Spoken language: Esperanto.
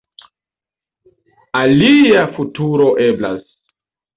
Alia futuro eblas.